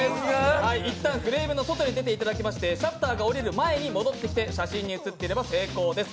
一旦フレームの外に出ていただきましてシャッターが下りる前に戻ってきて写真に写っていれば成功です。